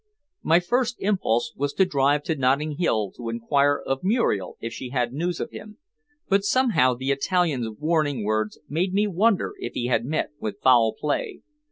My first impulse was to drive to Notting Hill to inquire of Muriel if she had news of him, but somehow the Italian's warning words made me wonder if he had met with foul play.